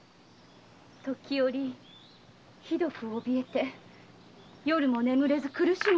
時折ひどく怯えて夜も眠れず苦しむのです。